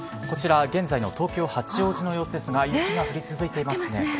こちら現在の東京・八王子の様子ですが、雪が降り続いてますね。